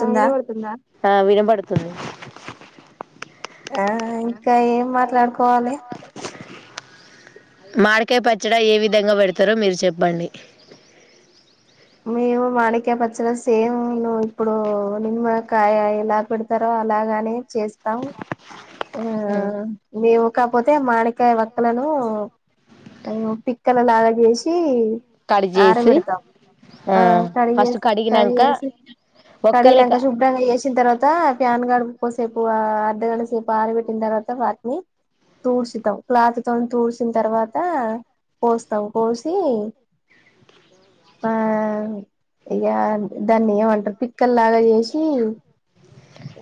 ఆ వినపడుతుంద ఆ ఇంకా ఏం మాట్లాడుకోవాలి మామీడికాయ పచ్చడ ఏ విధంగా పెడతారో మీరు చెప్పండి మేము మామిడికాయ పచ్చడా సేమ్ ను ఇప్పుడు నిను కాయ ఎలా పేడతారో అలాగానే చేస్తాం ఆ ఉమ్ మేము కాపోతే మామిడి వక్కలను ఉ పిక్కల లాగా చేసి కడి చేసి ఆరబేడతాం ఆ ఫస్ట్ కడిగేసి కడిగినంక కడిగేసి ఒక్కలే కడిగినంక క శుభ్రంగా చేసిన తర్వాత ఫ్యాన్ కాడా కోసేపు అర్ధగంట సేపు ఆర పెట్టిన తర్వాత వాటిని తూడ్చతాం క్లాత్ తో తూడ్చిన తర్వాత కోస్తాం కోసి ఆ ఇగ దాన్ని ఏమంటారు పిక్కల్ లాగా చేసి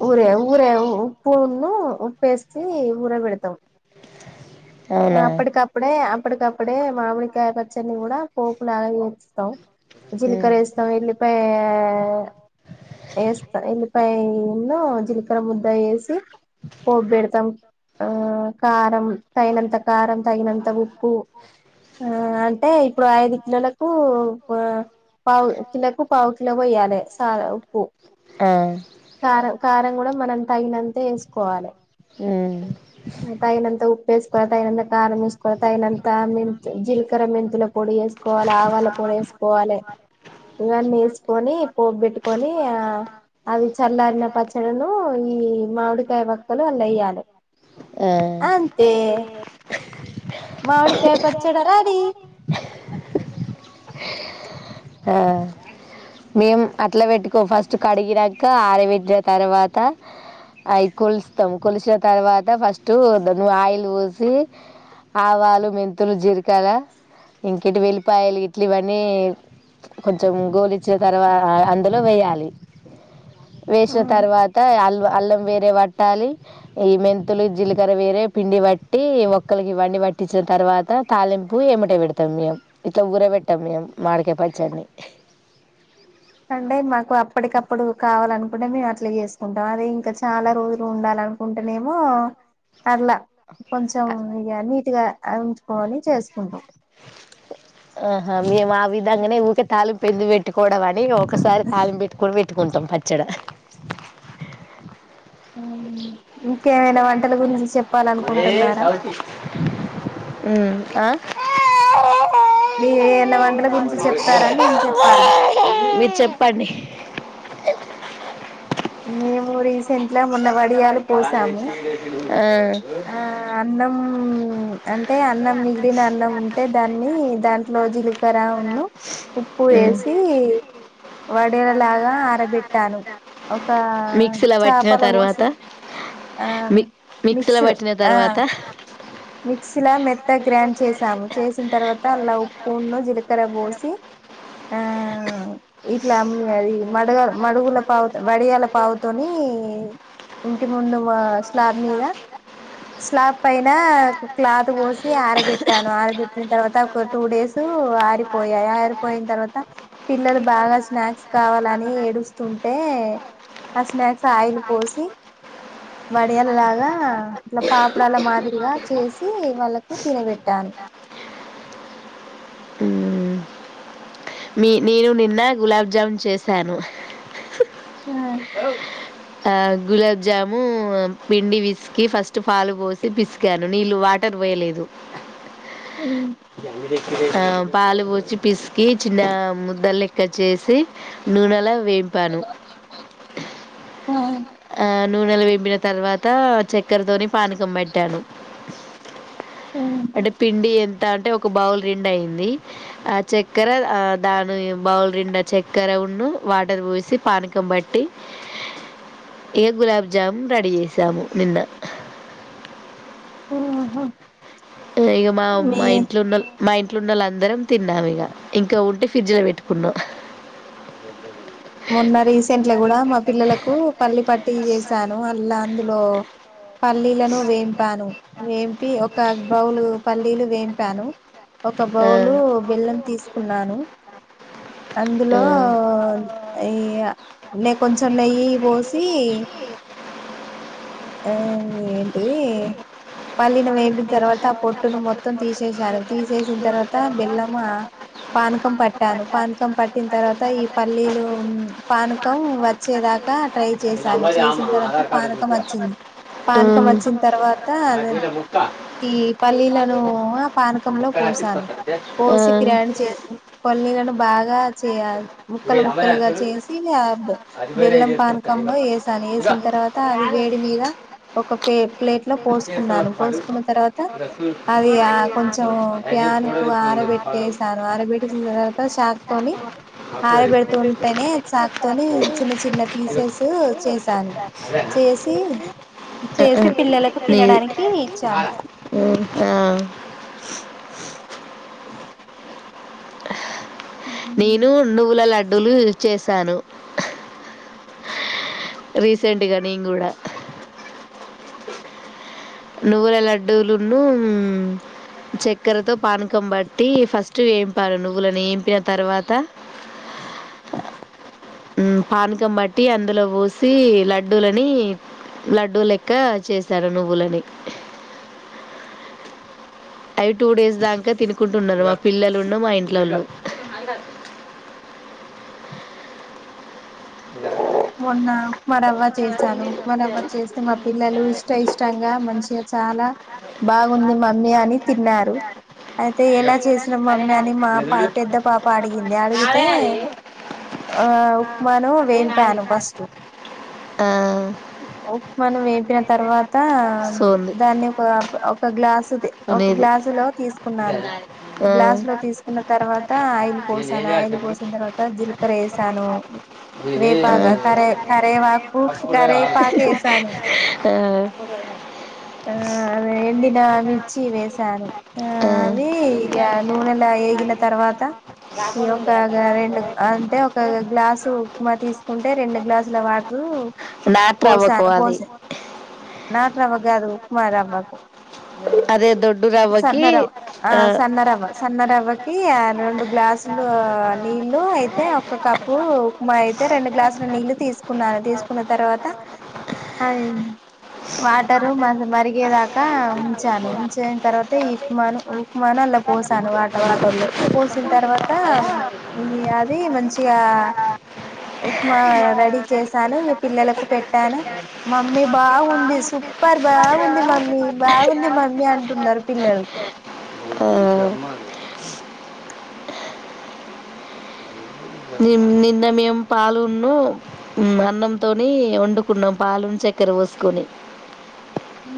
ఊరే ఊరే ఉప్పును ఉప్పేసి ఊర బెడతం అవునా అప్పుటికప్పుడే అప్పుటికప్పుడే మామిడి కాయ పచ్చన్నీ కూడా పోప్ లాగా వేస్తాం ఉమ్ జీలికర్ర వేస్తాం ఎల్లి పాయ వేస్తా ఎల్లిపాయన్నో జిలకర్ర ముద్ద వేసి పోబ్ పెడతాం ఆ కారం తగినంత కారం తగినంత ఉప్పు ఆ అంటే ఇప్పుడు ఐదు కిలోలకు పో పావు కిలోకు పావు కిలో పోయ్యాల సా ఆ కారం కూడా మనం తగినంతే వేసుకోవాలి ఊ తాగినంత ఉప్పు వేసుకోవాలి తగినంత కారం వేసుకోవాలి తగినంత మెంత జీల్కర మెంతుల పొడి వేసు కోవాలి ఆవాల పొడి వేసుకోవాలి ఇవన్నీ వేసుకొని పొబ్ పెట్టుకొని ఆ అవి చల్లారిన పచ్చడిను ఈ మామిడికాయ వక్కలు ఆళ్లో వేయ్యాలి ఆ తే మామిడి కాయ పచ్చడి రడి ఆ మేము అట్లా పెట్టుకోం ఫస్ట్ కడిగినంక ఆర పెట్టిన తర్వాత అవి కొలుస్తాం కొలిసిన తర్వాత ఫస్ట్ ఆయిల్ పోసి ఆవాలు, మెంతులు, జీలకర్ర, ఇంక వెల్లిపాయలు గిట్లు ఇవన్నీ కొంచెం గోలిచ్చిన తర్వాత అందులో వేయాలి వేసిన ఆ తర్వాత అల్ అల్లం వేరే పట్టాలి ఈ మెంతులు జీలకర్ర వేరే పిండి వట్టి వక్కలకి ఇవన్ని పట్టించిన తర్వాత తాలింపు ఎమ్మటే పెడతాం మేము ఇట్లా ఊరబెట్టాం మేము మామిడి కాయ పచ్చడిన్ని అంటే మాకు అప్పటికప్పుడు కావాలనుకుంటే మేము అట్లా చేసుకుంటాం అదే ఇంకా చాలా రోజులు ఉండాలి అనుకుంటేనేమో అట్లా కొంచెం ఇగ నీట్గా ఉంచుకోని చేసుకుంటాం ఆహా మేము ఆ విధంగానే ఊకే తాలింపు పెట్టుకోవడం అని ఒక్కసారి తాలింపు పెట్టుకొని పెట్టుకుంటాం పచ్చడ ఊ ఇంకేమైనా వంటల గురించి చెపుతార హు ఆ మీరేయన్న వంటల గురించి చెప్తారా నేను చెప్పాలా మీరు చెప్పండి మేము రీసెంట్గమొన్న వడియాలు పోసాము ఆ, ఆ అన్నం అంటే అన్నం మిగిలిన అన్నం ఉంటే దాన్ని దాంట్లో జీలకర్రను ఉప్పు ఉమ్. వేసి వడియాలాగా ఆరబెట్టాను ఒక మిక్సీలో పట్టిన చాపల తర్వాత పోసి ఆ మి మిక్సీలో మస పట్టిన ఆ తర్వాత మిక్సీ ల మెత్తగ గ్రాండ్ చేసాము చేసిన తర్వాత అలా ఉప్పును జీలకర్ర పోసి ఆ ఇట్లా మడగ మడుగుల పావుతో వడియాల పావుతోని ఇంటి ముందు స్లాబ్ మీద అ స్లాబ్ పైన క్లాత్ పోసి ఆరబెట్టాను ఆరబెట్టిన తర్వాత ఒక టూ డేస్ ఆరిపోయాయి ఆరిపోయిన తర్వాత పిల్లలు బాగా స్నాక్స్ కావాలని ఏడుస్తుంటే ఆ స్నాక్స్ ఆయిల్ పోసి వడియాలలాగా ఇట్లా పాపడాల మాదిరిగా చేసి వాళ్ళకు తినబెట్టాను హ మీ నేను నిన్న గులాబ్ జామున్ చేశాను ఆ ఆ గులాబ్ జాము పిండి పిసికి ఫస్ట్ పాలు పోసి పిసికాను నీళ్ళు వాటర్ వేయలేదు ఆ పాలు పోచ్చి పిసికి చిన్న ముద్దలుెక్క చేసి నూనెల వేంపి ఆ ఆ నూనెలొ వేంపిన తర్వాత చక్కెరతోని పానకం పెట్టాను అంటే పిండి ఎంత అంటే ఒక బౌల్ రెండు అయింది ఆ చక్కెర ఆ దాని బౌల్ నిండా చక్కెర ను వాటర్ పోసి పానకం బట్టి ఇక గులాబ్ జాము రెడీ చేసాము నిన్న ఆహ ఇక మా మా ఇంట్లో ఉన్న మా ఇంట్లోన్నళ్ళు అందరం తిన్నాము ఇక ఇంకా ఉంటే ఫ్రిడ్జ్లో పెట్టుకున్నాం అ మొన్న రీసెంట్లీ కూడా మా పిల్లలకు పల్లి పట్టి చేసాను అలా అందులో పల్లీలను వేంపాను వేంపి ఒక బౌలు పల్లీలు వేంపాను ఒక ఆ! బౌలు బెల్లం తీసుకున్నాను అందులో ఆ! ఈ నె కొంచెం నెయ్యి పోసి ఆ ఏంటిది పల్లీన వేపిన తర్వాత ఆ పొట్టును మొత్తం తీసేసాను తీసేసిన తర్వాత బెల్లమ్ పానకం పట్టాను పానకం పట్టిన తర్వాత ఈ పల్లీలు పానకం వచ్చేదాకా అ ట్రై చేశాను చేసిన తర్వాత ఆధార్ కార్డు పానకం వచ్చి పానకం వచ్చిన తర్వాత అదే కుక్క [unintelligible] ఈ పల్లీలను ఆ పానకంలో పోసాను ఆ, పోసి గ్రైండ్ చే పల్లీలను బాగా చేయాలి ముక్కలు మీరు అమ్మలేదు ముక్కలుగా చూడు చేసి ఆ అది వేరే బెల్లం పానకంలో వేసాను వేసిన తర్వాత అది వేడి మీద ఒక పే ప్లేట్ లో పోసుకున్నాను పో కున్న తర్వాత ఇది చూడు. అది కొంచెం ప్యాన్కు ఆరబెట్టసను ఆరబెట్టి తర్వాత చాక్ తోని అప్పుడు ఇది. ఆరబెడుతు ఉంటేనే చాక్ తోనీ చిన్న చిన్న పీసెస్ చేసాను అదేనా చే ఆ, ఆ. చేసి పిల్లలకు నీది తినడానికి ఇచ్చాను ఆ నేను నువ్వుల లడ్డూలు చేసాను రీసెంట్ గా నేను కూడ నువ్వుల లడ్డులును చక్కెరతో పానకం బట్టి ఫస్ట్ ఏంపాలే నువ్వులని ఏంపినా తర్వాత [inaudible] పానకం బట్టి అందులో పోసి లడ్డూలని లడ్డూ లెక్క చేసను నువ్వులని అవి టూ డేస్ దాంక తినుకుంటున్నారు మా పిల్లలున్ను మా ఇంట్లోళ్ళు [inaudible] మొన్న ఉప్మా రవ్వ చేశాను ఉప్మా రవ్వ చేస్తే మా పిల్లలు ఇష్ట ఇష్టంగా మంచిగా చాలా బాగుంది మమ్మీ అని తిన్నారు అయితే ఎలా చేసినా మమ్మీ అని మా పా పెద్ద పాప అడిగింది అడిగితే ఆ ఉప్మాను వే ను ఫస్ట్ ఆ, ఉప్మాను వెంపిన తర్వాత సోంది దాన్ని ఒక ఒక గ్లాస్ ఒక అనేది గ్లాసు లో తీసుకున్నాను ఆ, ఆ, గ్లాసు లో తీసుకున్న తర్వాత ఆయిల్ పోసాను ఆయిల్ పోసిన తర్వాత జీలకర వేసాను వేపాక కరే కరేవాకు కరేపాకు వేసాను ఆ అదే ఎండినా మిర్చి వేసాను ఆ అవి ఇగ నూనెలో ఏగిన తర్వాత ఈ ఒకగ రెండు అంటే ఒక గ్లాసు ఉప్మా తీసుకుంటే రెండు గ్లాసుల వాటరు నాటు రవ్వకు పోసాను అది పోసా నాట్ రవ్వకు కాదు ఉప్మా రవ్వకు అదే దొడ్డు సన్న రవ్వకి రవ్వ ఆ సన్న రవ్వ సన్న రవ్ రవ్వకి రెండు గ్లాసులు నీళ్లు అయితే ఒక కప్పు ఉప్మా అయితే రెండు గ్లాసుల నీళ్ళు తీసుకున్నాను తీసుకున్న తర్వాత అ వాటరు మ మరిగేదాక ఉంచాను ఉంచిన తర్వాత ఈ ఉప్మాను ఉప్మాను అల్ల పోసాను వాటర్ లో పోసిన తర్వాత అది మంచిగా ఉప్మా రెడీ చేసాను పిల్లలకు పెట్టాను మమ్మీ బాగుంది సూపర్ బాగుంది మమ్మీ బాగుంది మమ్మీ అంటున్నారు పిల్లలు ఆ ని నిన్న మేము పాలున్ను అన్నంతోని వండుకున్నాం పాలును చక్కెర [unintelligible] పోసుకొని ఉ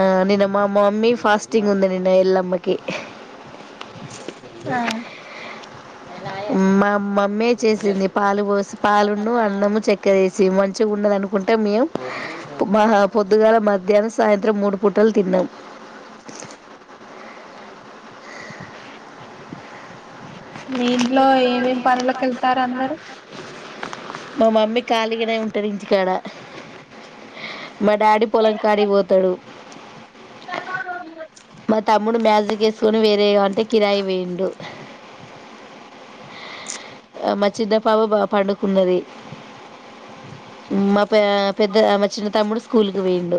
ఆ నిన్న మా మమ్మీ ఫాస్టింగ్ ఉంది నిన్న ఎల్లమ్మకి ఆ మా మమ్మే చేసింది పాలు పోసి పాలున్ను అన్నము చెక్కర వేసి మంచిగా ఉన్నదను కుంటే మేము పొద్దుగాల మధ్యాహ్నం సాయంత్రం మూడు పుటలు తిన్నాం [inaudible] మీ ఇంట్లో ఏమేమి పనులకు వెళ్తారు అందరూ మా మమ్మీ ఖాళీగనే ఉంటది ఇంటికాడ మా డాడీ పొలం కాడికి పోతాడు మా తమ్ముడు మ్యాజిక్ చేసుకొని వేరే కాబట్టి కిరాయి పోయిండు మా చిన్న పాప పండుకున్నది మా పెద్ద మా చిన్న తమ్ముడు స్కూల్కి పోయిండు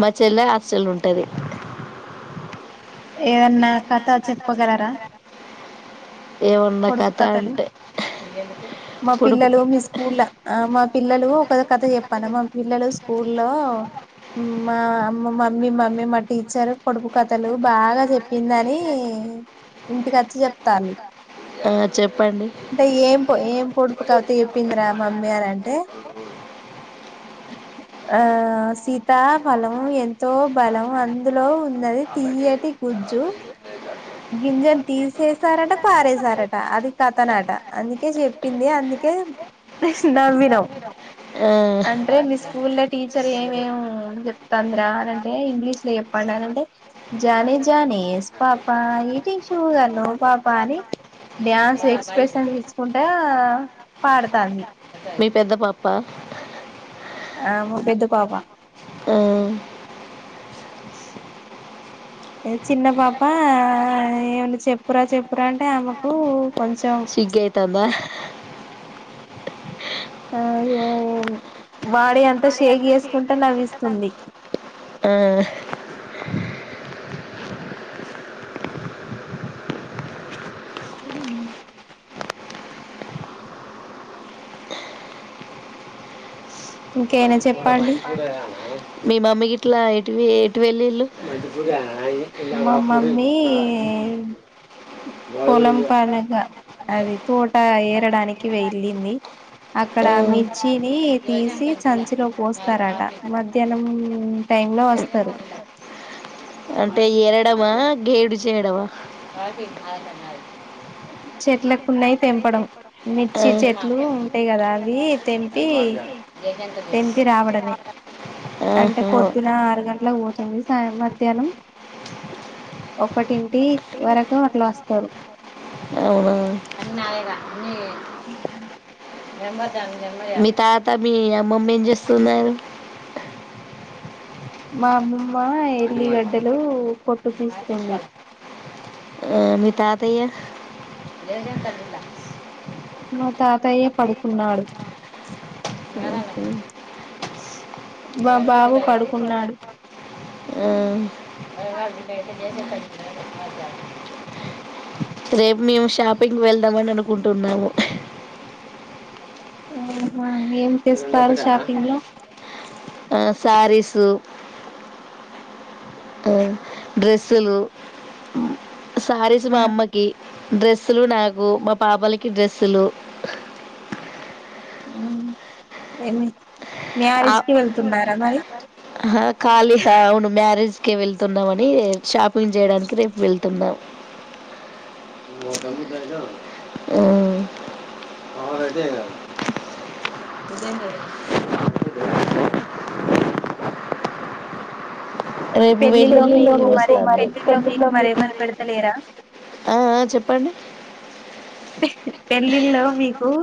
మా చెల్ల హాస్టల్ల ఉంటది ఏదన్నా కథ చెప్పుగలరా కొన్న కథ అంటే మా పొడుపు పిల్లలు మీ స్కూల్ ఆ మా పిల్లలు ఒక కథ చెప్పాన మా పిల్లలు స్కూల్లో మా అమ్మ మమ్మీ మమ్మీ మా టీచర్ కొడుపు కథలు బాగా చెప్పిందని ఇంటికి వచ్చి చెప్తను ఆ చెప్పండి అంటే ఏం ఏం పొడుపు కాతే చెప్పిందిరా మమ్మీ అని అంటే ఆ సీత ఫలము ఎ ఎంతో బలం అందులో ఉన్నది ఆమెకి తీయటి గుజ్జు తర్వాత ఇదే కట్టు గింజను తీసేశారట పారేశారట అది కథనట అందుకే చెప్పింది అందుకే ఏ నవీనం ఆ, అంటే మీ స్కూల్ లో టీచర్ ఏమేో చెప్ తంద్ర అని అంటే ఇంగ్లీష్ లో చెప్పండా అన అంటే జానే జానే ఎస్పా పా ఈటింగ్ షుగర్ నో పాపా అని డ్యాన్స్ ఎక్స్ప్రెషన్స్ తీసుకుంటే పాడతాంది మీ పెద్ద పాపా ఆ ము పెదు పవాం ఆ, చిన్న పాప ఏమన్నా చెప్పురా చెప్పురా అంటే ఆమెకు కొంచెం స్విగ్ అయితందా ఆ బాడీ అంత షేక్ చేసుకుంటే నవ్విస్తుంది ఆ, ఉ ఇంకేనా మంచి చెప్ప కూర మీ మమ్మీకి ఇట్లా ఎటు ఎటు వెళ్ళిళ్ళు మా మమ్మీ పొలం పనగా [unintelligible] అది తోట ఏరడానికి వెళ్ళింది అక్కడ ఆ, మిర్చిని తీసి సంచిలో పోస్త వస్తారట మధ్యాహ్నం టైమ్ లో వస్తారు అంటే ఎరడమా గేడుచ ఏడమా చెట్లకున్నాయి తెంపడం ఆ, మిర్చి చెట్లు ఉంటాయి కదా అవి తెంపి తెంపి రావడమే [inaudible] అంటే ఆహా. పొద్దున ఆరు గంటలకు పోతుంది సాయం మధ్యాహ్నం ఒకటింటి వరకు అట్లా వస్తారు నాలేగా అ [inaudible] మీ తాత మీ అమ్మమ్మ ఏం చేస్తున్నారు [inaudible] మా అమ్మమ్మ మరి ఎల్లిగడ్డలు పట్టు తీస్తుంది ఆ తాతయ మా తాతయ్యే పడుకున్నాడు మా బాబు పడుకున్నాడు [inaudible] [inaudible] రేపు మేము షాపింగ్కి వెళ్దామని అనుకుంటున్నాము ఆ ఆ సారిీస్ లు డ్రెస్సులు శారీసు ఆ మా అమ్మకి డ్రెస్సులు నాకు మా పాపలకి డ్రెస్సులు ఏమి మ్యారేజ్కి వెళ్తున్నారా మరి హ ఖాళీ అవును మ్యారేజ్కి వెళ్తున్నామని షాపింగ్ చేయడానికి రేపు వెళ్తున్నాం [unintelligible] ఇదేంటి రేపు పెళ్ళిలో వెళ్ళి మీకు మరి వస్తాలే పెళ్ళిలో మీకు మరి ఎవరు [unintelligible] పెడతలేరా ఆ ఆ చెప్పండి పెళ్ళిళ్లో మీకు